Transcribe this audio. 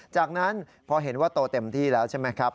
จากนั้นพอเห็นว่าโตเต็มที่แล้วใช่ไหมครับ